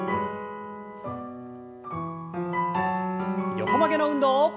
横曲げの運動。